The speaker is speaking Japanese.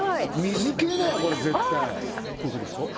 水系だよこれ絶対こういうことですか？